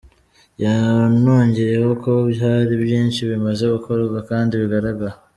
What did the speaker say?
Yanongeyeho ko hari byinshi bimaze gukorwa kandi bigaragara.